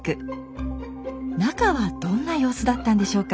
中はどんな様子だったんでしょうか。